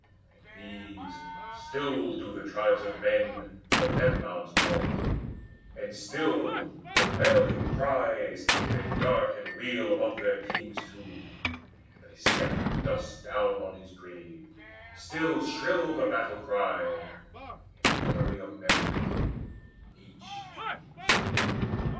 And these Still do the tribes of men "The Memnons" call; And still with wailing cries they dart and wheel Above their king's tomb, and they scatter dust Down on his grave, still shrill the battle cry, In memory of Memnon, each to each.